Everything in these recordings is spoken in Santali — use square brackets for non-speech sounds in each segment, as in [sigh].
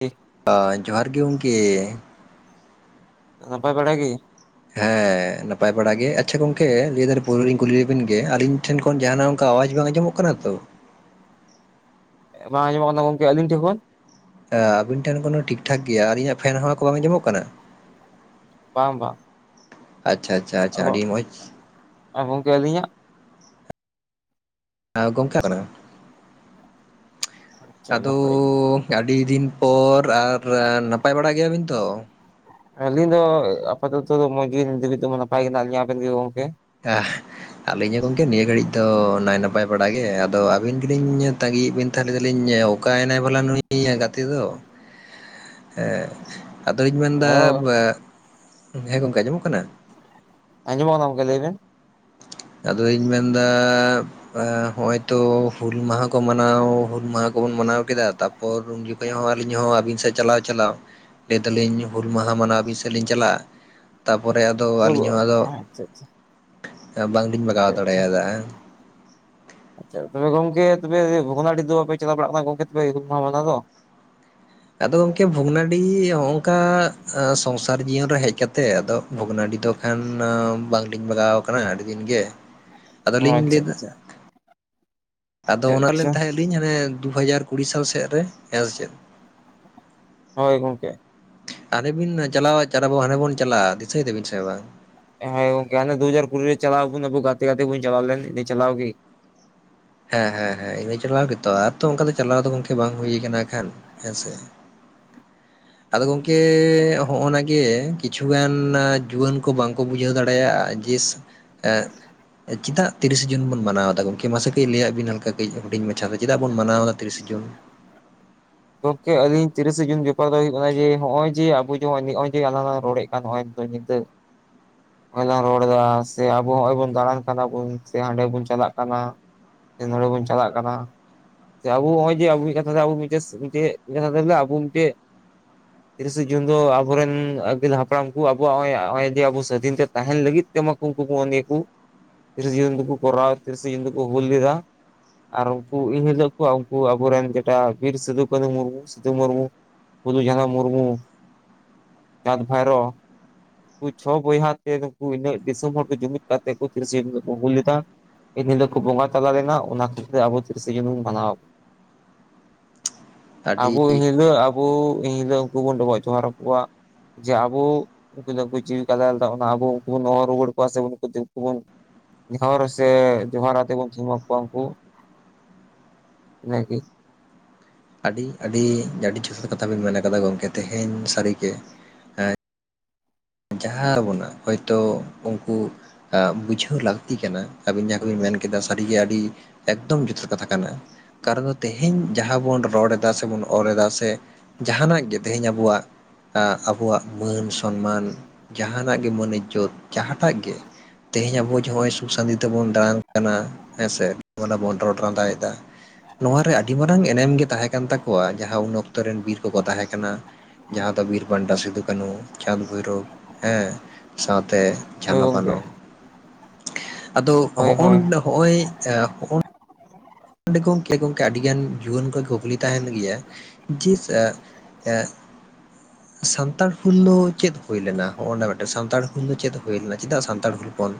ᱤᱦ ᱚ ᱡᱚᱦᱟᱨ ᱜᱮ ᱜᱚᱢᱠᱮ ᱱᱟᱯᱟᱭ ᱵᱟᱲᱟ ᱜᱤ, ᱦᱮᱸ ᱱᱟᱯᱟᱭ ᱵᱟᱲᱟ ᱜᱮ, ᱟᱪᱪᱷᱟ ᱜᱚᱝᱠᱮ ᱞᱟᱹᱭ ᱯᱩᱭᱞᱳ ᱠᱩᱞᱤ ᱞᱮᱵᱤᱱ ᱜᱮ ᱟᱞᱤᱧ ᱴᱷᱮᱱ ᱠᱷᱚᱱ ᱡᱟᱦᱟᱱᱟᱜ ᱚᱱᱠᱟ ᱟᱣᱟᱡᱽ ᱵᱟᱝ ᱟᱸᱡᱚᱢᱚᱜ ᱠᱟᱱᱟ ᱛᱚ? ᱵᱟᱝ ᱟᱡᱚᱢᱚᱜ ᱠᱟᱱᱟ ᱜᱚᱢᱠᱮ ᱟᱹᱞᱤᱧ ᱴᱷᱮᱱ ᱠᱷᱚᱱ? ᱟᱵᱤᱱ ᱴᱷᱮᱱ ᱠᱳᱱᱳ ᱴᱷᱤᱠ ᱴᱷᱟᱠ ᱜᱮᱭᱟ᱾ ᱟᱨ ᱤᱧᱟᱹᱜ ᱯᱷᱮᱱ ᱦᱟᱣᱟ ᱠᱚ ᱵᱟᱝ ᱟᱡᱚᱢᱚᱜ ᱠᱟᱱᱟ? ᱵᱟᱝ ᱵᱟᱝ ᱟᱪᱪᱷᱟ ᱟᱪᱪᱷᱟ ᱟᱪᱪᱷᱟ ᱟᱹᱰᱤ ᱢᱚᱡᱽ ᱚ ᱜᱚᱝᱠᱮ ᱟᱹᱞᱤᱧᱟᱜ? ᱜᱚᱝᱠᱮ [inaudible] ᱟᱪᱪᱷᱟ ᱟᱫᱚᱻ ᱱᱟᱯᱟᱭ ᱜᱮ ᱟᱹᱰᱤ ᱫᱤᱱ ᱯᱚᱨ ᱟᱨ ᱱᱟᱯᱟᱭ ᱵᱟᱲᱟ ᱜᱮᱭᱟᱵᱤᱱ ᱛᱚ? ᱟᱹᱞᱤᱧ ᱫᱚ ᱟᱯᱟᱛᱚᱛᱚ ᱫᱚ ᱢᱚᱡᱽ ᱜᱤ [unintelligible] ᱱᱤᱛᱚ ᱫᱚ ᱱᱟᱯᱟᱭ ᱜᱮ ᱦᱮᱱᱟᱜ ᱞᱤᱧ ᱟᱵᱮᱱ ᱜᱮ ᱜᱚᱝᱠᱮ.? ᱟᱦ, ᱟᱞᱤᱧ ᱦᱚᱸ ᱜᱚᱝᱠᱮ ᱱᱤᱭᱟᱹ ᱜᱷᱟᱹᱲᱤᱡ ᱫᱚ ᱱᱟᱭ ᱱᱟᱯᱟᱭ ᱵᱟᱲᱟᱜ ᱜᱮ ᱟᱫᱚ ᱟᱹᱵᱤᱱ ᱜᱮᱞᱤᱧ ᱛᱟᱺᱜᱤᱭᱮᱫ ᱵᱤᱱ ᱛᱟᱦ ᱞᱮᱫᱟᱞᱤᱧ ᱚᱠᱟᱭᱱᱟᱭ ᱵᱷᱟᱞᱟ ᱱᱩᱭ ᱜᱟᱛᱮ ᱫᱚ? [inaudible] ᱦᱮᱸ ᱟᱫᱚᱧ ᱚ ᱢᱮᱱᱫᱟ ᱦᱮᱸ ᱜᱚᱝᱠᱮ ᱟᱸᱡᱚᱢᱚᱜ ᱠᱟᱱᱟ? ᱟᱡᱚᱢᱚᱜ ᱠᱟᱱᱟ ᱜᱚᱢᱠᱮ ᱞᱟᱹᱭ ᱢᱮ? ᱟᱫᱚᱧ ᱢᱮᱱᱫᱟ ᱦᱚᱜᱚᱭᱛᱚ ᱦᱩᱞ ᱢᱟᱦᱟ ᱠᱚ ᱢᱟᱱᱟᱣ ᱦᱩᱞ ᱢᱟᱦᱟ ᱠᱚᱵᱚᱱ ᱢᱟᱱᱟᱣ ᱠᱮᱫᱟ ᱛᱟᱯᱚᱨ ᱯᱚᱨ ᱩᱱ ᱡᱚᱠᱷᱚᱱ ᱦᱚᱸ ᱟᱹᱞᱤᱧ ᱦᱚᱸ ᱟᱹᱵᱤᱱ ᱥᱮᱫ ᱪᱟᱞᱟᱣ ᱪᱟᱞᱟᱣ ᱞᱟᱹᱭ ᱫᱟᱞᱤᱧ ᱦᱩᱞ ᱢᱟᱦᱟ ᱢᱟᱱᱟᱣ ᱟᱵᱤᱱ ᱥᱮᱫ ᱞᱤᱧ ᱪᱟᱞᱟᱜᱼᱟ ᱾ ᱛᱟᱨᱯᱚᱨᱮ ᱟᱫᱚ ᱟᱹᱞᱤᱧ ᱦᱚᱸ ᱟᱫᱚ ᱟᱪᱷᱟ ᱟᱪᱷᱟ ᱵᱟᱝᱞᱤᱧ ᱵᱟᱜᱟᱣ ᱫᱟᱲᱮᱭᱟᱫᱟ᱾ ᱟᱪᱪᱷᱟ ᱛᱚᱵᱮ ᱜᱚᱝᱠᱮ ᱛᱚᱵᱮ ᱵᱷᱚᱜᱽᱱᱟᱰᱤ ᱫᱚ ᱵᱟᱯᱮ ᱪᱟᱞᱟᱣ ᱵᱟᱲᱟᱜ ᱠᱟᱱᱟ ᱜᱚᱝᱠᱮ ᱛᱚᱯᱮ ᱦᱩᱞ ᱢᱟᱦᱟ ᱢᱟᱱᱟᱣ ᱫᱚ᱾ ᱟᱫᱚ ᱜᱚᱝᱠᱮ ᱵᱷᱩᱜᱽᱱᱟᱰᱤ ᱱᱚᱜᱝᱠᱟ ᱥᱚᱝᱥᱟᱨ ᱡᱤᱭᱚᱱ ᱨᱮ ᱦᱮᱡ ᱠᱟᱛᱮᱮᱫ ᱟᱫᱚ ᱵᱷᱚᱜᱽᱱᱟᱰᱤ ᱫᱚ ᱠᱷᱟᱱ ᱵᱟᱝᱞᱤᱧ ᱵᱟᱜᱟᱣ ᱟᱠᱟᱱᱟ ᱟᱹᱰᱤ ᱫᱤᱱ ᱜᱮ᱾ ᱚ ᱟᱫᱚᱞᱤᱧ ᱟᱪᱪᱷᱟ ᱞᱟᱹᱭ ᱮᱫᱟ, ᱟᱪᱪᱷᱟ ᱟᱫᱚ ᱟᱪᱪᱷᱟ ᱚᱱᱟ ᱟᱪᱪᱷᱟ ᱞᱮᱱ ᱛᱟᱦᱮᱸᱫ ᱞᱤᱧ ᱦᱟᱱᱮ ᱫᱩ ᱦᱟᱡᱟᱨ ᱠᱩᱲᱤ ᱥᱟᱞ ᱥᱮᱫᱨᱮ ᱦᱮᱸᱥᱮ ᱪᱮᱫ ᱦᱚᱭ ᱜᱚᱝᱠᱮ ᱦᱟᱱᱰᱮ ᱵᱤᱱ ᱪᱟᱞᱟᱣ ᱟ ᱦᱟᱱᱰᱮ ᱵᱚᱱ ᱪᱟᱞᱟᱜᱼᱟ, ᱫᱤᱥᱟᱹᱭ ᱫᱟᱹᱵᱤᱱ ᱥᱮ ᱵᱟᱝ? ᱦᱮᱸ ᱜᱚᱝᱠᱮ ᱫᱩ ᱦᱟᱡᱟᱨ ᱠᱩᱲᱤ ᱨᱮ ᱪᱟᱞᱟᱣ ᱵᱚᱱ ᱟᱵᱚᱱ ᱜᱟᱛᱮ ᱜᱟᱛᱮ ᱵᱚᱱ ᱪᱟᱞᱟᱣ ᱞᱮᱱ ᱱᱮ ᱪᱟᱞᱟᱣ ᱜᱮ᱾ ᱦᱮᱸ ᱦᱮᱸ ᱦᱮᱸ ᱤᱱᱟᱹ ᱪᱟᱞᱟᱣ ᱜᱮᱛᱚ ᱟᱨ ᱛᱚ ᱚᱱᱠᱟ ᱫᱚ ᱪᱟᱞᱟᱣ ᱫᱚ ᱜᱚᱢᱠᱮ ᱵᱟᱝ ᱦᱩᱭ ᱠᱟᱱᱟ ᱮᱱᱠᱷᱟᱱ ᱦᱮᱸᱥᱮ᱾ ᱟᱫᱚ ᱜᱚᱝᱠᱮ ᱦᱚᱜᱼ ᱱᱟ ᱜᱮ ᱠᱤᱪᱷᱩᱜᱟᱱ ᱡᱩᱣᱟᱹᱱ ᱠᱚ ᱵᱟᱝᱠᱚ ᱵᱩᱡᱷᱟᱹᱣ ᱫᱟᱲᱮᱭᱟᱜᱼᱟ ᱡᱮ ᱪᱮᱫᱟᱜ ᱛᱤᱨᱤᱥᱮ ᱡᱩᱱ ᱵᱚᱱ ᱢᱟᱱᱟᱣ ᱫᱟ ᱜᱚᱢᱠᱮ? ᱢᱟᱥᱮ ᱠᱟᱹᱡ ᱞᱟᱹᱭᱟᱜ ᱵᱤᱱ ᱦᱟᱞᱠᱟ ᱠᱟᱹᱡ ᱦᱩᱰᱤᱧ ᱢᱟᱪᱷᱟ, ᱫᱚ ᱪᱮᱫᱟᱜ ᱵᱚᱱ ᱢᱟᱱᱟᱣᱫᱟ ᱛᱤᱨᱤᱥᱮ ᱡᱩᱱ? ᱜᱚᱢᱠᱮ ᱟᱞᱤᱧ ᱛᱤᱨᱤᱥᱟ ᱡᱩᱱ ᱵᱮᱯᱟᱨ ᱫᱚ ᱦᱩᱭᱩᱜ ᱠᱟᱱᱟ ᱡᱮ ᱱᱚᱜᱼᱚᱭ ᱡᱮ ᱟᱵᱚ ᱡᱮ ᱱᱚᱜᱼᱚᱭ ᱡᱮ ᱟᱞᱟᱝᱞᱟᱝ ᱨᱚᱲᱮᱫ ᱠᱟᱱ ᱱᱚᱼᱚᱭ ᱧᱤᱫᱟᱹ [inaudible] ᱱᱚᱜ ᱞᱟᱝ ᱨᱚᱲ ᱮᱫᱟ ᱥᱮ ᱟᱵᱚ ᱦᱚᱸᱜᱚᱭ ᱵᱚᱱ ᱫᱟᱬᱟᱱ ᱠᱟᱱᱟ ᱵᱩᱱ ᱥᱮ ᱦᱟᱸᱰᱮ ᱵᱚᱱ ᱪᱟᱞᱟᱜ ᱠᱟᱱᱟ᱾ ᱱᱚᱸᱰᱮ ᱵᱚᱱ ᱪᱟᱞᱟᱜ ᱠᱟᱱᱟ, ᱟᱵᱚ ᱱᱚᱜᱼᱚᱭ ᱡᱮ ᱟᱵᱚ ᱠᱟᱛᱷᱟ ᱟᱵᱚ ᱢᱤᱫᱴᱮᱱ ᱪᱮᱫ [unintelligible] ᱟᱵᱚ ᱢᱤᱫᱴᱮᱡ᱾ ᱛᱤᱨᱤᱥᱮ ᱡᱩᱱ ᱫᱚ ᱟᱵᱚᱨᱮᱱ ᱟᱹᱜᱤᱞ ᱦᱟᱯᱲᱟᱢ ᱠᱚ ᱟᱵᱚᱣᱟᱜ ᱱᱚᱜᱼᱚᱭ ᱱᱚᱜᱼᱚᱭ ᱡᱮ ᱟᱵᱚ ᱥᱟᱫᱷᱤᱱ ᱛᱮ ᱛᱟᱦᱮᱱ ᱞᱟᱹᱜᱤᱫ, ᱢᱟᱠᱚ [unintelligible] ᱠᱚ ᱛᱤᱨᱤᱥ ᱡᱩᱱ ᱠᱚᱨᱟᱣ ᱛᱤᱨᱤᱥ ᱡᱩ ᱠᱚ ᱦᱩᱞ ᱞᱮᱫᱟ᱾ ᱟᱨ ᱩᱱᱠᱩ ᱮᱤᱱᱦᱤᱞᱳᱜ ᱠᱚ ᱩᱱᱠᱩ ᱟᱵᱚᱨᱮᱱ ᱡᱮᱴᱟ ᱵᱤᱨ ᱥᱤᱫᱷᱩ ᱠᱟᱱᱩ ᱢᱩᱨᱢᱩ ᱥᱤᱫᱩ ᱢᱩᱨᱢᱩ ᱯᱷᱩᱞᱚᱡᱷᱟᱱᱚ ᱢᱩᱨᱢᱩ ᱪᱟᱸᱫ ᱵᱷᱟᱭᱨᱚ ᱩᱱᱠᱩ ᱪᱷᱚ ᱵᱚᱭᱦᱟ ᱛᱮ ᱠᱩᱱᱩ ᱩᱱᱟᱹᱜ ᱫᱤᱥᱚᱢ ᱦᱚᱲ ᱠᱚ ᱡᱩᱢᱤᱫ ᱠᱟᱛᱮ ᱛᱤᱨᱮᱥᱮ ᱡᱩᱱ ᱠᱚ ᱦᱩᱞ ᱞᱮᱫᱟ᱾ ᱮᱱᱦᱤᱞᱳᱜ ᱠᱚ ᱵᱚᱸᱜᱟ ᱛᱟᱞᱟ ᱞᱮᱱᱟ ᱚᱱᱟ ᱠᱷᱟᱹᱛᱤᱨ ᱛᱮ ᱟᱵᱚ ᱛᱤᱨᱤᱥᱮ ᱡᱩᱱ ᱵᱚᱱ ᱢᱟᱱᱟᱣ ᱟᱵᱚᱱ᱾ ᱟᱹᱰᱤ ᱟᱵᱚ ᱮᱱᱦᱤᱞᱳᱜ ᱟᱵᱚ ᱮᱱᱦᱤᱞᱳᱜ ᱩᱱᱠᱩ ᱵᱚᱱ ᱰᱚᱵᱚᱜ ᱡᱚᱦᱟᱨ ᱟᱠᱚᱣᱟ ᱡᱮ ᱟᱵᱚ ᱩᱱᱠᱩ ᱫᱚᱠᱚ ᱡᱤᱶᱤ ᱠᱚ ᱟᱞᱟᱭ ᱞᱮᱫᱟ ᱟᱵᱚ ᱟᱵᱚ ᱩᱱᱠᱩᱵᱩᱱ ᱦᱚᱦᱚ ᱨᱩᱣᱟᱹᱲ ᱠᱚᱣᱟ ᱥᱮ ᱩᱱᱠᱩᱵᱚᱱ ᱫᱷᱩᱯ ᱠᱚᱵᱚᱱ ᱱᱮᱦᱚᱨ ᱥᱮ ᱡᱚᱦᱟᱨ ᱟᱛᱮ ᱵᱚᱱ ᱛᱷᱩᱢᱟᱠᱚᱣᱟ ᱩᱱᱠᱩ, ᱤᱱᱟᱹᱜᱮ ᱟᱹᱰᱤ ᱟᱹᱰᱤ ᱟᱹᱰᱤ ᱡᱚᱛᱷᱟᱛ ᱠᱟᱛᱷᱟ ᱵᱤᱱ ᱢᱮᱱ ᱠᱟᱫᱟ ᱜᱚᱢᱠᱮ ᱛᱮᱦᱮᱧ ᱥᱟᱹᱨᱤ ᱜᱮ᱾ ᱡᱟᱦᱟᱸ ᱟᱵᱚᱱᱟᱜ ᱦᱚᱭᱛᱚ ᱩᱱᱠᱩ ᱵᱩᱡᱷᱟᱹᱣ ᱞᱟᱹᱠᱛᱤ ᱠᱟᱱᱟ ᱟᱹᱵᱤᱱ ᱡᱟᱦᱟᱸ ᱠᱚᱵᱤᱱ ᱢᱮᱱ ᱠᱮᱫᱟ ᱥᱟᱹᱨᱤᱜᱮ ᱟᱹᱰᱤ᱾ ᱮᱠᱫᱚᱢ ᱡᱚᱛᱷᱟᱛ ᱠᱟᱛᱷᱟ ᱠᱟᱱᱟ᱾ ᱠᱟᱨᱚᱱ ᱫᱚ ᱛᱮᱦᱤᱧ ᱡᱟᱦᱟᱸ ᱵᱚᱱ ᱨᱚᱲ ᱮᱫᱟ ᱥᱮᱵᱚᱱ ᱚᱞ ᱮᱫᱟ ᱥᱮ, ᱡᱟᱦᱟᱱᱟᱜ ᱜᱮ ᱛᱮᱦᱤᱧ ᱟᱵᱚᱣᱟᱜ ᱟᱸ ᱟᱵᱚᱣᱟᱜ ᱢᱟᱹᱱ ᱥᱚᱱᱢᱟᱱ ᱡᱟᱦᱟᱱᱟᱜ ᱜᱮ ᱢᱟᱹᱱ ᱤᱡᱚᱛ ᱡᱟᱦᱟᱸᱴᱟᱜ ᱜᱮ ᱛᱮᱦᱮᱧ ᱟᱵᱚ ᱡᱚᱜ ᱚᱭ ᱥᱩᱠ ᱥᱟᱱᱛᱤ ᱛᱮᱵᱚᱱ ᱫᱟᱬᱟᱱ ᱠᱟᱱᱟ᱾ ᱦᱮᱸᱥᱮ ᱚᱱᱮ ᱵᱚᱱ ᱨᱚᱲ ᱞᱟᱸᱫᱟᱣᱮᱫᱟ᱾ ᱱᱚᱣᱟᱨᱮ ᱟᱹᱰᱤ ᱢᱟᱨᱟᱝ ᱮᱱᱮᱢ ᱜᱮ ᱛᱟᱦᱮᱸ ᱠᱟᱱ ᱛᱟᱠᱚᱣᱟ ᱡᱟᱦᱟᱸ ᱩᱱ ᱚᱠᱛᱚ ᱨᱮᱱ ᱵᱤᱨ ᱠᱚᱠᱚ ᱛᱟᱦᱮᱸ ᱠᱟᱱᱟ᱾ ᱡᱟᱦᱟᱸ ᱫᱚ ᱵᱤᱨ ᱵᱟᱱᱴᱟ ᱥᱤᱫᱩ ᱠᱟᱹᱱᱩ ᱪᱟᱸᱫᱽ ᱵᱷᱳᱭᱨᱳᱵ ᱦᱮᱸ ᱥᱟᱶᱛᱮ ᱦᱚᱭ ᱡᱷᱟᱱᱚ ᱜᱚᱢᱠᱮ᱾ ᱵᱟᱱᱚ ᱟᱫᱚ ᱦᱚᱜᱼᱚᱱ ᱦᱳᱭ ᱦᱚᱜᱼᱚᱭ ᱦᱚᱜ ᱚᱸᱰᱮ ᱜᱚᱝᱠᱮ ᱜᱚᱢᱠᱮ ᱟᱹᱰᱤ ᱜᱟᱱ ᱡᱩᱣᱟᱹᱱ ᱠᱚ ᱠᱩᱠᱞᱤ ᱛᱟᱦᱮᱱ ᱜᱮᱭᱟ ᱡᱮ ᱮ [inaudible] ᱥᱟᱱᱛᱟᱲ ᱦᱩᱞ ᱫᱚ ᱪᱮᱫ ᱦᱩᱭ ᱞᱮᱱᱟ? ᱦᱚᱜᱼ ᱱᱟ ᱢᱤᱫᱴᱮᱱ ᱥᱟᱱᱛᱟᱲ ᱦᱩᱞ ᱫᱚ ᱪᱮᱫ ᱦᱩᱭ ᱞᱮᱱᱟ ᱪᱮᱫᱟᱜ ᱥᱟᱱᱛᱟᱲ ᱦᱩᱞ ᱵᱚᱱ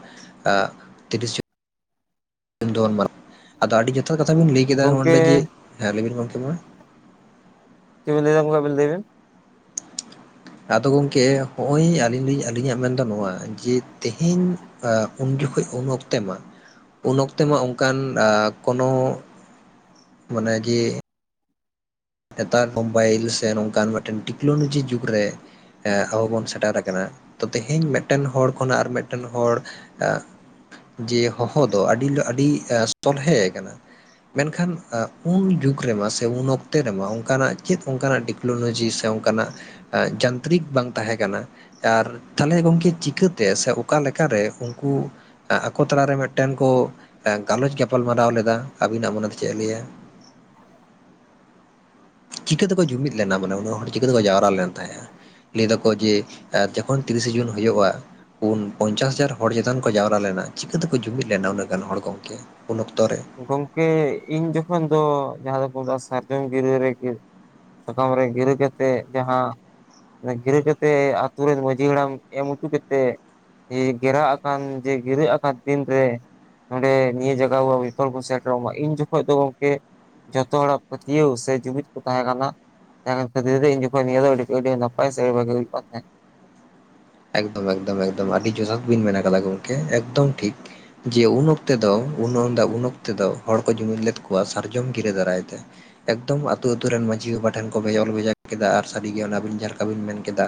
ᱛᱤᱨᱤᱥ ᱡᱩᱱ ᱟᱫᱚ ᱟᱹᱰᱤ ᱡᱚᱛᱷᱟᱛ ᱠᱟᱛᱷᱟ ᱵᱤᱱ ᱞᱟᱹᱭ ᱠᱮᱫᱟ ᱱᱚᱼᱚ ᱜᱚᱝᱠᱮ ᱱᱚᱰᱮ ᱡᱮ, ᱦᱮᱸ ᱞᱟᱹᱭᱵᱤᱱ ᱜᱚᱝᱠᱮ ᱢᱟ ᱪᱤᱫ ᱞᱟᱹᱭ ᱫᱟ ᱠᱚᱝᱠᱮ ᱟᱵᱤᱱ ᱞᱟᱹᱭ ᱵᱮᱱ ᱟᱫᱚ ᱜᱚᱢᱠᱮ ᱦᱚᱸᱜᱼᱚᱭ ᱟᱹᱞᱤᱧ ᱞᱤᱧ ᱟᱹᱞᱤᱧᱟᱜ ᱢᱮᱱᱫᱚ ᱱᱚᱣᱟ ᱡᱮ ᱛᱮᱦᱮᱧ ᱩᱱ ᱡᱚᱠᱷᱚᱡ ᱩᱱ ᱚᱠᱛᱮ ᱢᱟ ᱩᱱ ᱚᱠᱛᱮ ᱢᱟ ᱚᱱᱠᱟᱱ ᱠᱚᱱᱚ ᱢᱟᱱ ᱜᱮᱲᱻ [unintelligible] ᱱᱮᱛᱟᱨ ᱢᱳᱵᱟᱭᱤᱞ ᱥᱮ ᱱᱚᱝᱠᱟᱱ ᱢᱤᱫᱴᱮᱱ ᱴᱮᱠᱱᱳᱞᱚᱡᱤ ᱡᱩᱜᱽ ᱨᱮ, ᱟᱵᱚ ᱵᱚᱱ ᱥᱮᱴᱮᱨ ᱟᱠᱟᱱᱟ, ᱛᱚ ᱛᱮᱦᱮᱧ ᱢᱤᱫᱴᱮᱱ ᱦᱚᱲ ᱠᱷᱚᱱᱟᱜ ᱟᱨ ᱢᱤᱫᱴᱮᱱ ᱦᱚᱲ ᱮ ᱡᱮ ᱦᱚᱦᱚ ᱫᱚ ᱟᱹᱰᱤ ᱟᱹᱰᱤ ᱥᱚᱞᱦᱮ ᱠᱟᱱᱟ᱾ ᱢᱮᱱᱠᱷᱟᱱ ᱩᱱ ᱡᱩᱜᱽ ᱨᱮᱢᱟ ᱥᱮ ᱩᱱ ᱚᱠᱛᱚ ᱛᱮ ᱨᱮᱢᱟ ᱚᱱᱠᱟᱱᱟᱜ ᱪᱮᱫ ᱚᱱᱠᱟᱱᱟᱜ ᱴᱮᱠᱱᱳᱞᱚᱡᱤ ᱥᱮ ᱚᱱᱠᱟᱱᱟᱜ ᱡᱟᱱᱛᱨᱤᱠ ᱵᱟᱝ ᱛᱟᱦᱮᱸ ᱠᱟᱱᱟ᱾ ᱟᱨ ᱛᱟᱦᱚᱞᱮ ᱜᱚᱢᱠᱮ ᱪᱤᱠᱟᱹᱛᱮ ᱥᱮ ᱚᱠᱟ ᱞᱮᱠᱟᱨᱮ ᱩᱱᱠᱩ ᱟᱠᱚ ᱛᱟᱞᱟᱨᱮ ᱢᱤᱫᱴᱮᱱ ᱠᱚ ᱜᱟᱞᱚᱪ ᱜᱟᱯᱟᱞ ᱢᱟᱨᱟᱣ ᱞᱮᱫᱟ, ᱟᱵᱤᱱᱟᱜ ᱢᱚᱱᱮ ᱛᱮ ᱪᱮᱫ ᱮ ᱞᱟᱹᱭᱟ? ᱪᱤᱠᱟᱹ ᱛᱮᱠᱚ ᱡᱩᱢᱤᱫ ᱞᱮᱱᱟ ᱢᱟᱱᱮ ᱩᱱᱟᱹᱜ ᱦᱚᱲ ᱪᱤᱠᱟᱹ ᱛᱮᱠᱚ ᱡᱟᱣᱨᱟ ᱞᱮᱱ ᱛᱟᱦᱮᱸᱜᱼᱟ᱾ ᱞᱟᱹᱭ ᱫᱟᱠᱚ ᱡᱮ ᱡᱚᱠᱷᱚᱱ ᱛᱤᱨᱤᱥᱮ ᱡᱩᱱ ᱦᱩᱭᱩᱜᱼᱟ᱾ ᱯᱩᱱ ᱯᱚᱧᱪᱟᱥ ᱦᱟᱡᱟᱨ ᱦᱚᱲ ᱪᱮᱛᱟᱱ ᱠᱚ ᱡᱟᱣᱨᱟ ᱞᱮᱱᱟ, ᱪᱤᱠᱟᱹ ᱛᱮᱠᱚ ᱡᱩᱢᱤᱫ ᱞᱮᱱᱟ ᱩᱱᱟᱹᱜ ᱜᱟᱱ ᱦᱚᱲ ᱜᱚᱝᱠᱮ? ᱩᱱ ᱚᱠᱛᱚ ᱨᱮ ᱜᱚᱢᱠᱮ ᱤᱧ ᱡᱚᱠᱷᱚᱱ ᱫᱚ ᱡᱟᱦᱟᱸ ᱫᱚᱠᱚ ᱢᱮᱛᱟᱜᱼᱟ ᱥᱟᱨᱡᱚᱢ ᱜᱤᱨᱟᱹ ᱨᱮ ᱥᱟᱠᱟᱢ ᱨᱮ ᱜᱤᱨᱟᱹ ᱠᱟᱛᱮᱫ ᱡᱟᱦᱟᱸ ᱜᱤᱨᱟᱹ ᱠᱟᱛᱮᱜ ᱟᱛᱳ ᱨᱮᱱ ᱢᱟᱺᱡᱷᱤ ᱦᱟᱲᱟᱢ ᱮᱢ ᱦᱚᱪᱚ ᱠᱟᱛᱮ ᱜᱮᱨᱟ ᱟᱠᱟᱱ ᱡᱮ ᱜᱤᱨᱟᱹᱜ ᱟᱠᱟᱱ ᱫᱤᱱ ᱨᱮ ᱱᱚᱸᱰᱮ ᱱᱤᱭᱟᱹ ᱡᱟᱭᱜᱟ ᱵᱤᱯᱚᱞ ᱠᱚ ᱤᱱ ᱡᱚᱠᱷᱚᱱ ᱫᱚ ᱜᱚᱢᱠᱮ ᱡᱷᱚᱛᱚ ᱦᱚᱲᱟᱜ ᱯᱟᱹᱛᱭᱟᱹᱣ ᱥᱮ ᱡᱩᱢᱤᱫ ᱠᱚ ᱛᱟᱦᱮᱸ ᱠᱟᱱᱟ ᱾ [unintelligible] ᱜᱮ ᱦᱩᱭᱩᱜ ᱠᱟᱱ ᱛᱟᱸᱦᱮ ᱮᱠᱫᱚᱢ ᱮᱠᱫᱚᱢ ᱮᱠᱫᱚᱢ ᱟᱹᱰᱤ ᱡᱚᱛᱷᱟᱛ ᱵᱤᱱ ᱢᱮᱱᱟ ᱠᱟᱫᱟ ᱜᱚᱢᱠᱮ ᱮᱠᱫᱚᱢ ᱴᱷᱤᱠ ᱡᱮ ᱩᱱ ᱚᱠᱛᱮ ᱫᱚ ᱩᱱᱟᱹ ᱩᱱ ᱚᱠᱛᱮ ᱫᱚ ᱦᱚᱲ ᱠᱚ ᱡᱩᱢᱤᱫ ᱞᱮᱫ ᱠᱚᱣᱟ ᱥᱟᱨᱡᱚᱢ ᱜᱤᱨᱟᱹ ᱫᱟᱨᱟᱭ ᱛᱮ᱾ ᱮᱠᱫᱚᱢ ᱟᱛᱩ ᱟᱛᱩ ᱨᱮᱱ ᱢᱟᱺᱡᱷᱤ ᱵᱟᱵᱟ ᱴᱷᱮᱱ ᱠᱚ ᱚᱞ ᱵᱷᱮᱡᱟ ᱠᱮᱫᱟ ᱟᱨ ᱥᱟᱹᱨᱤᱜᱮ ᱚᱱᱟᱵᱤᱱ ᱡᱟᱦᱟᱸ ᱞᱮᱠᱟ ᱵᱤᱱ ᱢᱮᱱ ᱠᱮᱫᱟ᱾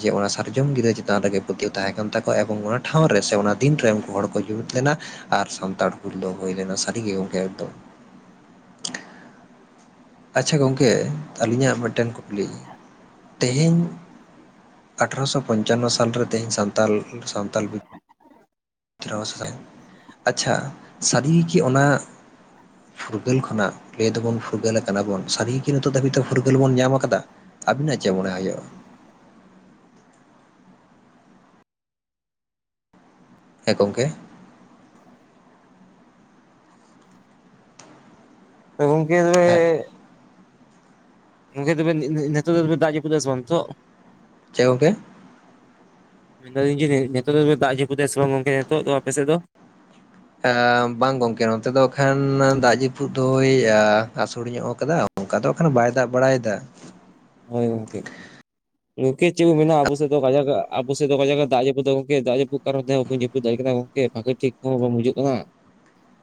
ᱡᱮ ᱚᱱᱟ ᱥᱟᱨᱡᱚᱢ ᱜᱤᱨᱟᱹ ᱪᱮᱛᱟᱱ ᱨᱮᱜᱮ ᱯᱩᱛᱭᱣ ᱛᱟᱦᱮᱸ ᱠᱟᱱ ᱛᱟᱠᱚᱣᱟ ᱮᱵᱚᱝ ᱚᱱᱟ ᱴᱷᱟᱶ ᱨᱮ ᱥᱮ ᱚᱱᱟ ᱫᱤᱱ ᱨᱮ ᱩᱱᱠᱩ ᱦᱚᱲ ᱠᱚ ᱡᱩᱢᱤᱫ ᱞᱮᱱᱟ ᱾ ᱟᱨ ᱥᱟᱱᱛᱟᱲ ᱦᱩᱞ ᱫᱚ ᱦᱩᱭ ᱞᱮᱱᱟ ᱥᱟᱹᱨᱤᱜᱮ ᱜᱚᱢᱠᱮ ᱮᱠᱫᱚᱢ ᱟᱪᱪᱷᱟ ᱜᱚᱝᱠᱮ ᱟᱹᱞᱤᱧᱟᱜ ᱢᱤᱫᱴᱮᱱ ᱠᱩᱠᱞᱤ ᱛᱮᱦᱮᱧ ᱟᱴᱷᱨᱚᱥᱚ ᱯᱚᱧᱪᱟᱱᱱᱚ ᱥᱟᱞ ᱨᱮ ᱛᱮᱦᱤᱧ ᱥᱟᱱᱛᱟᱞ ᱥᱟᱱᱛᱟᱞ [unintelligible] ᱟᱪᱪᱷᱟ ᱥᱟᱹᱨᱤ ᱠᱤ ᱚᱱᱟ ᱯᱷᱩᱨᱜᱟᱹᱞ ᱠᱷᱚᱱᱟᱜ ᱞᱟᱹᱭ ᱫᱚᱵᱚᱱ ᱯᱷᱩᱨᱜᱟᱹᱞ ᱟᱠᱟᱱᱟᱵᱚᱱ, ᱥᱟᱹᱨᱤ ᱜᱮ ᱱᱤᱛᱚᱜ ᱫᱷᱟᱹᱵᱤᱡ ᱯᱷᱩᱨᱜᱟᱹᱞ ᱵᱚᱱ ᱧᱟᱢ ᱟᱠᱟᱫᱟ? ᱟᱹᱵᱤᱱᱟᱜ ᱪᱮᱫ ᱢᱚᱱᱮ ᱦᱩᱭᱩᱜᱼᱟ᱾ ᱦᱮᱸ ᱜᱚᱢᱠᱮ ᱜᱚᱝᱠᱮ ᱛᱚᱵᱮ ᱦᱮᱸ ᱜᱚᱢᱠᱮ ᱛᱚᱵᱮ ᱱᱤᱛᱚᱜ ᱫᱚ ᱛᱚᱵᱮ ᱫᱟᱜ ᱡᱟᱹᱯᱩᱫ ᱫᱟᱭ ᱥᱮ ᱵᱟᱝ ᱱᱤᱛᱚᱜ? ᱪᱮᱫ ᱜᱚᱝᱠᱮ ᱢᱮᱱᱫᱟᱞᱤᱧ ᱡᱮ ᱱᱤᱛᱚᱜ ᱫᱚ ᱫᱟᱜ ᱡᱟᱹᱯᱩᱫ ᱫᱟᱭ ᱥᱮ ᱵᱟᱝ ᱜᱚᱝᱠᱮ ᱱᱤᱛᱚᱜ ᱫᱚ ᱟᱯᱮ ᱥᱮᱫ ᱫᱚ? ᱮᱸ ᱵᱟᱝ ᱜᱚᱝᱠᱮ ᱱᱚᱛᱮ ᱫᱚ ᱮᱠᱷᱟᱱ ᱫᱟᱜ ᱡᱟᱹᱯᱩᱫ ᱫᱚᱭ ᱟᱹᱥᱩᱲ ᱧᱚᱜ ᱟᱠᱟᱫᱟ᱾ ᱚᱱᱠᱟ ᱫᱚ ᱮᱠᱷᱱ ᱵᱟᱭ ᱫᱟᱵ ᱵᱟᱲᱟᱭᱮᱫᱟ ᱾ ᱦᱳᱭ ᱜᱚᱝᱠᱮ ᱜᱚᱝᱠᱮ ᱪᱮᱫ ᱵᱚ ᱢᱮᱱᱟ ᱟᱵᱚ ᱥᱮᱫ ᱫᱚ ᱠᱟᱡᱟᱠ ᱟᱵᱚ ᱥᱮᱫ ᱫᱚ ᱠᱟᱡᱟᱠ ᱫᱟᱜ ᱡᱟᱯᱩᱫ ᱫᱚ ᱜᱚᱝᱠᱮ ᱫᱟᱜ ᱡᱟᱯᱩᱫ ᱠᱟᱨᱚᱱ ᱛᱮ ᱦᱚᱸ ᱵᱟᱠᱚᱧ ᱡᱟᱹᱯᱤᱫ ᱫᱟᱲᱮᱭᱟᱜ ᱠᱟᱱᱟ ᱜᱚᱝᱠᱮ ᱵᱷᱟᱜᱤ ᱴᱷᱤᱠ ᱦᱚᱸ ᱵᱟᱝ ᱦᱤᱡᱩᱜ ᱠᱟᱱᱟ᱾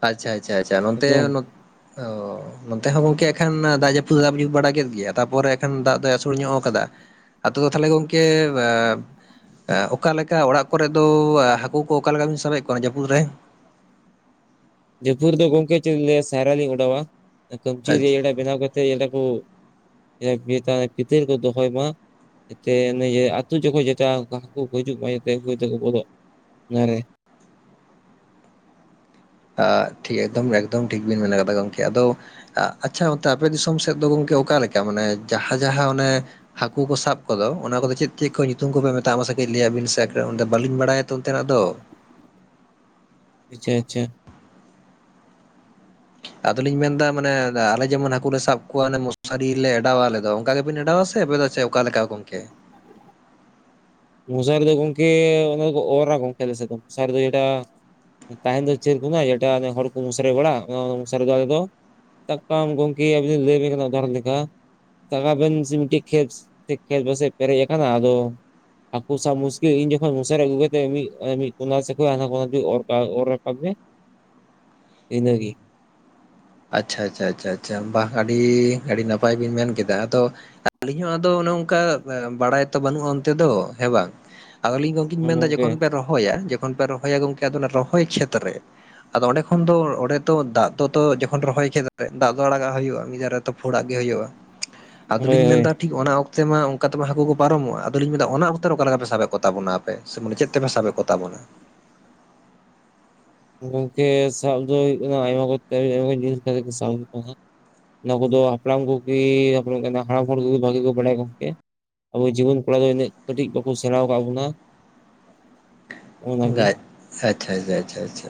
ᱟᱪᱷᱟ ᱟᱪᱷᱟ ᱟᱪᱷᱟ ᱱᱚᱛᱮ ᱮᱠᱫᱚᱢ ᱚ ᱱᱚᱛᱮ ᱦᱚᱸ ᱜᱚᱝᱠᱮ ᱮᱱᱠᱷᱟᱱ ᱫᱟᱜ ᱡᱟᱹᱯᱩᱫ ᱫᱟᱜ ᱧᱩᱛ ᱵᱟᱲᱟ ᱠᱮᱫ ᱜᱮᱭᱟ ᱛᱟᱨᱯᱚᱨ ᱮᱱᱠᱷ ᱫᱟᱜ ᱫᱚᱭ ᱟᱹᱥᱩᱞ ᱧᱚᱜ ᱠᱟᱫᱟ᱾ ᱟᱛᱩ ᱫᱚ ᱛᱟᱦᱚᱞᱮ ᱜᱚᱢᱠᱮ ᱚᱠᱟᱞᱮᱠᱟ ᱚᱲᱟᱜ ᱠᱚᱨᱮ ᱫᱚ ᱦᱟᱹᱠᱩ ᱠᱚ ᱚᱠᱟᱠᱟᱵᱤᱱ ᱥᱟᱵᱟᱭᱮᱫ ᱠᱚᱣᱟ ᱡᱟᱹᱯᱩᱫ ᱨᱮ ᱡᱟᱯᱩᱫ ᱨᱮᱫᱚ ᱜᱚᱝᱠᱮ ᱪᱮᱫ ᱞᱟᱹᱭᱟ ᱥᱟᱭᱨᱟ ᱞᱤᱧ ᱚᱰᱚᱜᱼᱟ, ᱠᱟᱹᱵᱪᱤ ᱟᱪᱪᱷᱟ ᱨᱮ ᱵᱮᱱᱟᱣ ᱠᱟᱛᱮ ᱚᱱᱮ ᱠᱚ [unintelligible] ᱪᱤᱛᱟᱹᱨ ᱠᱚ ᱫᱚᱦᱚᱭ ᱢᱟ᱾ ᱡᱟᱛᱮ ᱚᱱᱮ ᱡᱮ ᱟᱹᱛᱩ ᱡᱚᱠᱷᱚᱡ ᱡᱮᱴᱟ ᱦᱟᱹᱠᱩ ᱠᱚ ᱦᱤᱡᱩᱜ ᱢᱟ ᱡᱟᱛᱮ ᱩᱱ ᱫᱚᱠᱚ ᱵᱚᱞᱚᱜ ᱢᱟᱨᱮ ᱟ ᱮᱠᱫᱚᱢ ᱮᱠᱫᱚᱢ ᱴᱷᱤᱠ ᱵᱤᱱ ᱢᱮᱱ ᱠᱟᱫᱟ ᱜᱚᱢᱠᱮ ᱟᱫᱚ ᱟᱪᱪᱷᱟ ᱚᱱᱛᱮ ᱟᱯᱮ ᱫᱤᱥᱚᱢ ᱥᱮᱫ ᱫᱚ ᱜᱚᱝᱠᱮ ᱚᱠᱟ ᱞᱮᱠᱟ ᱢᱟᱱᱮ ᱡᱟᱦᱟᱸ ᱡᱟᱦᱟᱸ ᱚᱱᱮ ᱦᱟᱹᱠᱩ ᱠᱚ ᱥᱟᱵ ᱠᱚᱫᱚ ᱚᱱᱟ ᱠᱚᱫᱚ ᱪᱮᱫ ᱪᱮᱫ ᱠᱚ ᱧᱩᱛᱩᱢ ᱠᱚᱯᱮ ᱢᱮᱛᱟᱜᱼᱟ ᱢᱟᱥᱮ ᱠᱟᱹᱡ ᱞᱟᱹᱭᱟᱵᱤᱱ ᱥᱮ ᱵᱟᱹᱞᱤᱧ ᱵᱟᱲᱟᱭᱟᱛᱚ ᱚᱱᱛᱮᱱᱟᱜ ᱫᱚ? ᱟᱪᱪᱷᱟ ᱟᱪᱪᱷᱟ ᱟᱫᱚ ᱞᱤᱧ ᱢᱮᱱ ᱫᱟ ᱢᱟᱱᱮ ᱟᱞᱮ ᱡᱮᱢᱚᱱ ᱦᱟᱹᱠᱩ ᱞᱮ ᱥᱟᱵ ᱠᱚᱣᱟ ᱮᱱᱮ ᱢᱚᱥᱟᱨᱤ ᱞᱮ ᱚᱰᱟᱣᱟ ᱟᱞᱮ ᱫᱚ ᱚᱱᱠᱟ ᱜᱮᱵᱮᱱ ᱚᱰᱟᱣᱟ ᱥᱮ ᱟᱯᱮ ᱫᱚ ᱪᱮ? ᱚᱠᱟ ᱞᱮᱠᱟ ᱜᱚᱢᱠᱮ ᱢᱚᱥᱟᱨᱤ ᱫᱚ ᱜᱚᱝᱠᱮ ᱚᱱᱟ ᱫᱚᱠᱚ ᱚᱨᱟ ᱜᱚᱝᱠᱮ ᱟᱞᱮ ᱥᱮᱫ ᱫᱚ ᱢᱚᱥᱟᱨᱤ ᱫᱚ ᱡᱮᱴᱟ᱾ ᱛᱟᱦᱮᱱ ᱫᱚ ᱪᱮᱫ ᱠᱚ [inaudible] ᱡᱮᱴᱟ ᱦᱚᱲ ᱠᱚ ᱢᱚᱥᱟᱨᱤ ᱵᱟᱲᱟᱜ ᱢᱚᱥᱟᱨᱤ ᱫᱚ ᱟᱨᱮ ᱫᱚ ᱥᱟᱵ ᱠᱟᱢ ᱜᱚᱝᱠᱤ ᱟᱵᱤᱱ ᱞᱟᱭ ᱵᱤᱱ [inaudible] ᱩᱫᱟᱦᱚᱨᱚᱱ ᱞᱮᱠᱟ ᱥᱟᱵ ᱠᱟᱜ ᱵᱮᱱ ᱥᱤ ᱢᱤᱫ ᱴᱤᱡ ᱠᱷᱮᱛ ᱠᱷᱮᱛ ᱯᱟᱥᱮᱫ ᱯᱮᱨᱮᱡ ᱟᱠᱟᱱᱟ ᱟᱫᱚ ᱦᱟᱹᱠᱩ ᱥᱟᱵ ᱢᱩᱥᱠᱤᱞ ᱤᱧ ᱡᱚᱠᱷᱚᱱ ᱢᱚᱥᱟᱨᱤ ᱟᱹᱜᱩ ᱠᱟᱛᱮ ᱢᱤᱫ ᱢᱤᱫ ᱠᱳᱱᱟ ᱥᱮ ᱠᱷᱚᱱ ᱦᱟᱱᱟ ᱠᱳᱱᱟ ᱚᱨ ᱚᱨ ᱨᱟᱠᱟᱵ ᱤᱱᱟᱹ ᱜᱤ ᱟᱪᱪᱷᱟ ᱟᱪᱪᱷᱟ ᱟᱪᱪᱷᱟ ᱟᱪᱪᱷᱟ ᱵᱟᱝ ᱟᱹᱰᱤ ᱟᱹᱰᱤ ᱱᱟᱯᱟᱭ ᱵᱤᱱ ᱢᱮᱱ ᱠᱮᱫᱟ ᱛᱚ᱾ ᱟᱹᱞᱤᱧ ᱦᱚᱸ ᱟᱫᱚ ᱚᱱᱮ ᱚᱱᱠᱟ ᱵᱟᱲᱟᱭ ᱛᱚ ᱵᱟᱹᱱᱩᱜᱼᱟ ᱚᱱᱛᱮ ᱫᱚ ᱦᱮᱸ ᱵᱟᱝ? ᱟᱫᱚᱞᱤᱧ ᱜᱚᱢᱠᱮᱧ ᱢᱮᱱᱫᱟ ᱜᱚᱝᱠᱮ ᱡᱚᱠᱷᱚᱱ ᱯᱮ ᱨᱚᱦᱚᱭᱟ ᱡᱚᱠᱷᱚᱱ ᱯᱮ ᱨᱚᱦᱚᱭᱟ ᱜᱚᱢᱠᱮ ᱟᱫᱚ ᱚᱱᱟ ᱨᱚᱦᱚᱭ ᱠᱷᱮᱛ ᱨᱮ ᱟᱫᱚ ᱚᱸᱰᱮ ᱠᱷᱚᱱ ᱫᱚ ᱚᱸᱰᱮ ᱛᱚ ᱫᱟᱜ ᱫᱚᱛᱚ ᱡᱚᱼ ᱼᱠᱷᱚᱱ ᱨᱚᱦᱚᱭ ᱠᱷᱮᱛ ᱨᱮ ᱫᱟᱜ ᱫᱚ ᱟᱲᱟᱜᱟ ᱦᱩᱭᱩᱜᱼᱟ ᱢᱤᱫᱟᱨᱮ ᱛᱚ ᱯᱷᱩᱲᱟᱜ ᱜᱮ ᱦᱩᱭᱩᱜᱼᱟ ᱦᱳᱭ ᱟᱫᱚᱞᱤᱧ ᱦᱳᱭ ᱢᱮᱱᱫᱟ ᱴᱷᱤᱠ ᱚᱱᱟ ᱚᱠᱛᱮ ᱢᱟ ᱚᱱᱠᱟ ᱛᱮᱢᱟ ᱦᱟᱹᱠᱩ ᱠᱚ ᱯᱟᱨᱚᱢᱚᱜᱼᱟ ᱟᱫᱚᱞᱤᱧ ᱢᱮᱱᱫᱟ ᱚᱱᱟ ᱚᱠᱛᱮ ᱨᱮ ᱚᱠᱟ ᱞᱮᱠᱟ ᱯᱮ ᱥᱟᱵᱮᱫ ᱠᱚ ᱛᱟᱵᱚᱱᱟᱼᱟ? ᱼᱯᱮ ᱥᱮ ᱢᱟᱱᱮ ᱪᱮᱫ ᱛᱮᱯᱮ ᱥᱟᱵᱮᱫ ᱠᱚᱛᱟᱵᱚᱱᱟ? ᱜᱚᱝᱠᱮ ᱥᱟᱵ ᱫᱚ ᱦᱩᱭᱩᱜ ᱠᱟᱱᱟ ᱟᱭᱢᱟ ᱠᱚᱛᱮ ᱟᱭᱢᱟ ᱡᱤᱱᱤᱥ ᱠᱟᱛᱮ ᱥᱟᱵ ᱦᱩᱭᱩᱜ ᱠᱟᱱᱟ ᱦᱟᱜ᱾ ᱚᱱᱟ ᱠᱩᱫᱚ ᱦᱟᱯᱲᱟᱢ ᱠᱚᱜᱮ ᱦᱟᱲᱟᱢ ᱵᱷᱟᱜᱤ ᱠᱚ ᱵᱟᱲᱟᱭᱟ ᱜᱚᱝᱠᱮ᱾ ᱟᱵᱚ ᱡᱤᱵᱚᱱ ᱠᱚᱲᱟ ᱫᱚ ᱩᱱᱟᱹᱜ ᱠᱟᱹᱴᱤᱡ ᱵᱟᱠᱚ ᱥᱮᱬᱟᱣ ᱟᱠᱟᱫ ᱵᱚᱱᱟ᱾ ᱚᱱᱟᱜᱮ ᱜᱟᱪ ᱟᱪᱪᱷᱟ ᱟᱪᱪᱷᱟ ᱟᱪᱷᱟ ᱟᱪᱷᱟ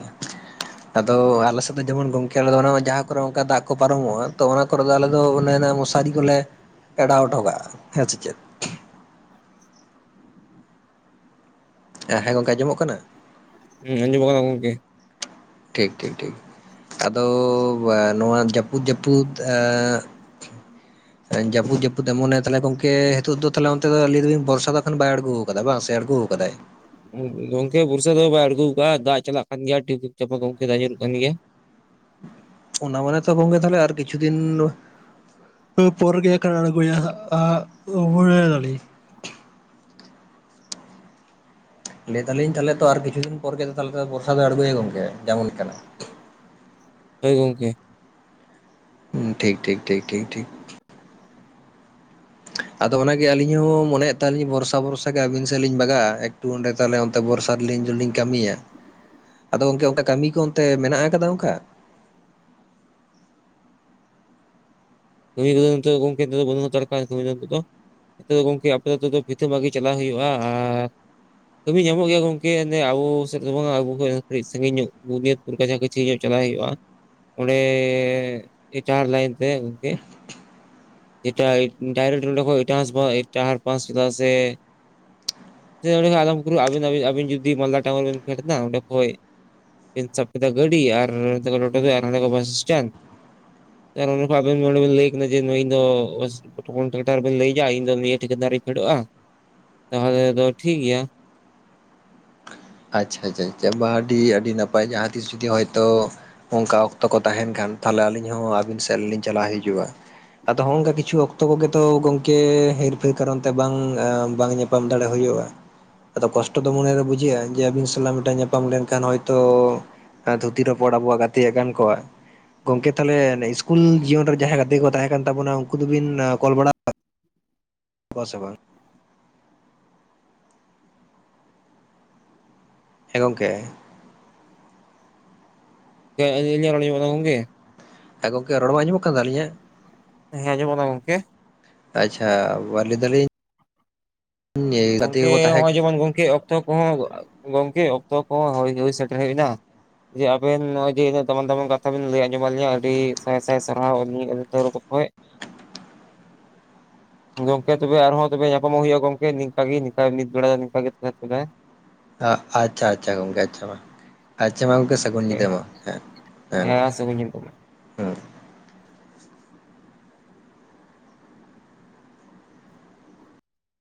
ᱟᱫᱚ ᱟᱞᱮ ᱥᱮᱫ ᱡᱮᱢᱚᱱ ᱜᱚᱝᱠᱮ ᱟᱞᱮ ᱫᱚ ᱚᱱᱟ ᱡᱟᱦᱟᱸ ᱠᱚᱨᱮ ᱚᱱᱠᱟ ᱫᱟᱜ ᱠᱚ ᱯᱟᱨᱚᱢᱚᱜᱼᱟ ᱛᱚ ᱚᱱᱟ ᱠᱚᱨᱮ ᱫᱚ ᱟᱞᱮ ᱫᱚ ᱚᱱᱮ ᱚᱱᱟ ᱢᱚᱥᱟᱨᱤ ᱠᱚᱞᱮ ᱮᱰᱟᱣ ᱚᱴᱚ ᱠᱟᱜᱼᱟ ᱦᱮᱸ ᱪᱮ ᱪᱮᱫ ᱮ ᱦᱮᱸ ᱜᱚᱝᱠᱮ ᱟᱸᱚᱢᱚᱜ ᱠᱟᱱᱟ ᱦᱸᱩᱢ ᱟᱸᱡᱚᱢᱚᱜ ᱠᱟᱱᱟ ᱜᱚᱢᱠᱮ ᱴᱷᱤᱠ ᱴᱷᱤᱠ ᱴᱷᱤᱠ ᱟᱫᱚ ᱱᱚᱣᱟ ᱡᱟᱹᱯᱩᱫ ᱡᱟᱹᱯᱩᱫ ᱮᱸ [inaudible] ᱮᱸ ᱡᱟᱹᱯᱩᱫ ᱡᱟᱹᱯᱩᱫ ᱮᱢᱚᱱᱮ ᱛᱟᱦᱞᱮ ᱜᱚᱝᱠᱮ ᱦᱤᱛᱚᱜ ᱫᱚ ᱛᱟᱦᱞᱮ ᱚᱱᱛᱮ ᱫᱚ ᱞᱟᱹᱭ ᱫᱟᱞᱤᱧ ᱵᱚᱨᱥᱟ ᱫᱚ ᱮᱠᱷᱚᱱ ᱵᱟᱭ ᱟᱬᱜᱩ ᱠᱟᱫᱟ ᱵᱟᱝ ᱥᱮ ᱟᱬᱜᱩ ᱟᱠᱟᱫᱟᱭ? ᱜᱚᱝᱠᱮ ᱵᱚᱨᱥᱟ ᱫᱚ ᱵᱟᱭ ᱟᱬᱜᱩ ᱟᱠᱟᱜᱼᱟ ᱫᱟᱜ ᱪᱟᱞᱟᱜ ᱠᱟᱱ ᱜᱮᱭᱟ ᱴᱤᱯᱤᱠ ᱴᱟᱯᱟᱠ ᱜᱚᱝᱠᱮ ᱫᱟᱜ ᱧᱩᱨᱩᱜ ᱠᱟᱱ ᱜᱮᱭᱟ᱾ ᱚᱱᱟ ᱢᱟᱱᱮ ᱛᱚ ᱜᱚᱝᱜᱮ ᱛᱟᱦᱞᱮ ᱟᱨ ᱠᱤᱪᱷᱩ ᱫᱤᱱ ᱯᱚᱨ ᱜᱮ ᱠᱷᱟᱱ ᱟᱬᱜᱚᱭᱟᱭ ᱦᱟᱜ ᱞᱟᱹᱭ ᱫᱟᱞᱤᱧ ᱛᱟᱦᱞᱮ ᱛᱚ ᱟᱨ ᱠᱤᱪᱷᱩ ᱫᱤᱱ ᱯᱚᱨᱜᱮ ᱛᱟᱦᱞᱮ ᱛᱚ ᱵᱚᱨᱥᱟ ᱫᱚ ᱟᱬᱜᱚᱭᱟ ᱜᱚᱝᱠᱮ ᱡᱮᱢᱚᱱ ᱠᱟᱱᱟ ᱦᱳᱭ ᱜᱚᱢᱠᱮ ᱴᱷᱤᱠ ᱴᱷᱤᱠ ᱴᱷᱤᱠ ᱴᱷᱤᱠ ᱴᱷᱤᱠ ᱟᱫᱚ ᱚᱱᱟᱜᱮ ᱟᱹᱞᱤᱧ ᱦᱚᱸ ᱢᱚᱱᱭᱮᱫ ᱛᱟᱦᱮᱱᱟᱞᱤᱧ ᱵᱚᱨᱥᱟ ᱵᱷᱚᱨᱥᱟ ᱜᱮ ᱟᱹᱵᱤᱱ ᱥᱮᱫ ᱞᱤᱧ ᱵᱟᱠᱟᱜ-ᱟ ᱛᱩ ᱚᱰᱮ ᱛᱟᱦᱟᱞᱮ ᱚᱱᱛᱮ ᱵᱚᱨᱥᱟ ᱨᱮᱞᱤᱧ ᱞᱤᱧ ᱠᱟᱢᱤᱭᱟ ᱟᱫᱚ ᱜᱚᱝᱠᱮ ᱚᱝᱠᱟ ᱠᱟᱢᱤ ᱠᱚ ᱚᱱᱛᱮ ᱢᱮᱱᱟᱜ ᱟᱠᱟᱫᱟ ᱚᱝᱠᱟ ᱠᱟᱹᱢᱤ ᱠᱚᱫᱚ ᱚᱱᱛᱮ ᱜᱚᱝᱠᱮ [inaudible] ᱱᱤᱛᱚᱜ ᱫᱚ ᱜᱚᱢᱠᱮ ᱟᱯᱮ ᱛᱮᱫᱚ ᱯᱷᱤᱛᱟᱹ ᱵᱷᱟᱜᱤ ᱪᱟᱞᱟᱣ ᱦᱩᱭᱩᱜᱼᱟ ᱟᱨ ᱠᱟᱹᱢᱤ ᱧᱟᱢᱚᱜ ᱜᱮᱭᱟ ᱜᱚᱝᱠᱮ ᱟᱵᱚ ᱥᱮᱫ ᱫᱚ ᱵᱟᱝ ᱟᱵᱚ ᱠᱷᱚᱡ ᱠᱟᱹᱴᱤᱡ ᱥᱟᱺᱜᱤᱧ ᱧᱚᱜ ᱠᱩᱨ ᱠᱟᱪᱟ ᱠᱟᱪᱷᱤ ᱧᱚᱜ ᱪᱟᱞᱟᱜ ᱦᱩᱭᱩᱜᱼᱟ ᱚᱸᱰᱮ ᱪᱟᱨ ᱞᱟᱭᱤᱱ ᱛᱮ ᱜᱚᱝᱠᱮ [inaudible] ᱰᱟᱭᱨᱮᱴ ᱱᱚᱸᱰᱮ ᱠᱷᱚᱡ [inaudible] ᱤᱴᱟᱦᱟᱨ ᱯᱟᱥᱛᱟ ᱥᱮᱫ ᱥᱮ ᱚᱸᱰᱮ ᱠᱷᱚᱡ ᱟᱞᱚᱢᱯᱩᱠᱩᱨ ᱟᱬᱜᱩ ᱮᱱᱟᱵᱤᱱ ᱟᱵᱤᱱ ᱡᱩᱫᱤ ᱢᱟᱞᱫᱟ ᱴᱟᱣᱩᱱ ᱨᱮ ᱯᱷᱮᱰ ᱮᱱᱟ ᱚᱸᱰᱮ ᱠᱷᱚᱡ ᱥᱟᱵ ᱠᱮᱫᱟ ᱜᱟᱹᱰᱤ ᱟᱨ ᱦᱟᱸᱰᱮ ᱠᱷᱚᱡ ᱵᱟᱥ ᱥᱴᱮᱱᱰ᱾ ᱛᱟᱨ ᱚᱱᱠᱟ ᱟᱵᱮᱱ ᱱᱚᱸᱰᱮ ᱵᱮᱱ ᱞᱟᱹᱭ ᱠᱮᱫᱟ ᱡᱮ ᱱᱟᱭ ᱟᱫᱚ ᱢᱚᱴᱟᱢᱩᱴᱤ ᱞᱟᱹᱭ ᱠᱮᱜᱼᱟ ᱤᱧ ᱫᱚ ᱱᱤᱭᱟᱹ ᱴᱷᱤᱠᱮ ᱫᱟᱨᱤᱧ ᱯᱷᱮᱰᱚᱜᱼᱟ᱾ ᱛᱟᱦᱚᱞᱮ ᱫᱚ ᱴᱷᱤᱠ ᱜᱮᱭᱟ᱾ ᱟᱪᱪᱷᱟ ᱟᱪᱪᱷᱟ ᱪᱟ ᱵᱟᱦ ᱟᱹᱰᱤ ᱟᱹᱰᱤ ᱱᱟᱯᱟᱭ ᱡᱟᱦᱟᱸ ᱛᱤᱥ ᱡᱩᱫᱤ ᱦᱚᱭᱛᱳ ᱚᱱᱠᱟ ᱚᱠᱛᱚ ᱠᱚ ᱛᱟᱦᱮᱱ ᱠᱷᱟᱱ ᱛᱟᱦᱚᱞᱮ ᱟᱹᱞᱤᱧ ᱦᱚᱸ ᱟᱹᱵᱤᱱ ᱥᱮᱫ ᱞᱤᱧ ᱪᱟᱞᱟᱣ ᱦᱤᱡᱩᱜ-ᱟ ᱟᱫᱚ ᱦᱚᱸᱜᱚᱝᱠᱟ ᱠᱤᱪᱷᱩ ᱚᱠᱛᱚ ᱠᱚᱜᱮ ᱛᱚ ᱜᱚᱝᱠᱮ ᱦᱮᱨ ᱯᱷᱮᱨ ᱠᱟᱨᱚᱱ ᱛᱮ ᱵᱟᱝ ᱵᱟᱝ ᱧᱟᱯᱟᱢᱚᱜ ᱧᱟᱯᱟᱢ ᱫᱟᱲᱮ ᱦᱩᱭᱩᱜ-ᱟ ᱟᱫᱚ ᱠᱚᱥᱴᱚ ᱫᱚ ᱢᱚᱱᱮ ᱨᱮ ᱵᱩᱡᱷᱟᱜ-ᱟ ᱡᱮ ᱟᱹᱵᱤᱱ ᱥᱟᱞᱟᱜ ᱢᱤᱫᱴᱟᱝ ᱧᱟᱯᱟᱢ ᱞᱮᱱᱠᱷᱟᱱ ᱦᱚᱭ ᱛᱚ ᱛᱷᱩᱛᱤ ᱨᱚᱯᱚᱲ ᱟᱵᱚᱣᱟᱜ ᱜᱟᱛᱮ ᱜᱟᱱ ᱠᱚᱜᱼᱟ ᱜᱚᱝᱠᱮ ᱛᱟᱦᱚᱞᱮ ᱤᱥᱠᱩᱞ ᱡᱤᱭᱚᱱ ᱨᱮ ᱡᱟᱦᱟᱭ ᱜᱟᱛᱮ ᱠᱚ ᱛᱟᱦᱮᱸ ᱠᱟᱱ ᱛᱟᱵᱚᱱᱟ ᱩᱱᱠᱩ ᱫᱚ ᱵᱤᱱ ᱠᱚᱞ ᱵᱟᱲᱟ [unintelligible] ᱠᱚ ᱥᱮ ᱵᱟᱝ ᱦᱮᱸ ᱜᱚᱝᱠᱮ ᱜᱚᱝᱠᱮ ᱟᱞᱤᱧ ᱟᱜ ᱨᱚᱲ ᱟᱡᱚᱢᱚᱜ ᱠᱟᱱᱟ ᱜᱚᱝᱠᱮ ᱦᱮᱸ ᱜᱚᱝᱠᱮ ᱨᱚᱲ ᱵᱟᱝ ᱟᱡᱚᱜ ᱠᱟᱱᱟ ᱟᱞᱤᱧᱟᱜ ᱦᱮᱸ ᱟᱡᱚᱢᱚᱜ ᱠᱟᱱᱟ ᱜᱚᱝᱠᱮ ᱟᱪᱪᱷᱟ ᱞᱟᱹᱭ ᱫᱟᱞᱤᱧ ᱜᱟᱛᱮ ᱜᱚᱝᱠᱮ ᱠᱚᱠᱚ ᱛᱟᱦᱮᱸ ᱱᱚᱜ-ᱚᱭ ᱡᱮᱢᱚᱱ ᱜᱚᱝᱠᱮ ᱚᱠᱛᱚ ᱠᱚᱦᱚᱸ ᱜᱚᱝᱠᱮ ᱚᱠᱛᱚ ᱠᱚᱦᱚ ᱦᱩᱭ ᱥᱮᱴᱮᱨ ᱦᱮᱡ ᱮᱱᱟ ᱡᱮ ᱟᱵᱮᱱ ᱱᱚᱜᱚᱭ ᱡᱮ ᱩᱱᱟᱹᱜ ᱫᱟᱢᱟᱱ ᱫᱟᱢᱟᱱ ᱠᱟᱛᱷᱟ ᱵᱮᱱ ᱞᱟᱹᱭ ᱟᱡᱚᱢ ᱟᱜ ᱞᱤᱧᱟ ᱟᱰᱤ ᱥᱟᱭ ᱥᱟᱭ ᱥᱟᱨᱦᱟᱣ ᱟᱞᱤᱧ ᱦᱳᱭ ᱜᱚᱝᱠᱮ ᱛᱚᱵᱮ ᱟᱨ ᱦᱚᱸ ᱛᱚᱵᱮ ᱧᱟᱯᱟᱢᱚᱜ ᱦᱩᱭᱩᱜ-ᱟ ᱜᱚᱝᱠᱮ ᱱᱚᱠᱟ ᱜᱤ ᱱᱤᱛ ᱵᱮᱲᱟ ᱫᱚ ᱛᱟᱦᱟᱞᱮ ᱟᱪᱪᱷᱟ ᱟᱪᱪᱷᱟ ᱜᱚᱝᱠᱮ ᱟᱪᱪᱷᱟ ᱟᱪᱪᱷᱟ ᱢᱟ ᱟᱪᱪᱷᱟ ᱜᱚᱢᱠᱮ ᱥᱟᱹᱜᱩᱱ ᱧᱤᱫᱟᱹ ᱢᱟ ᱦᱮᱸ ᱦᱮᱸ ᱜᱚᱝᱠᱮ ᱥᱟᱹᱜᱩᱱ ᱧᱤᱫᱟᱹ ᱦᱩᱸ